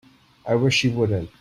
I wish you wouldn't.